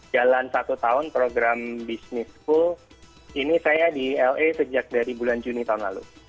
jalan satu tahun program business full ini saya di la sejak dari bulan juni tahun lalu